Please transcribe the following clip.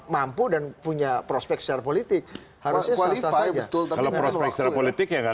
mampu dan punya prospek secara politik harusnya saya betul kalau prospek secara politik yang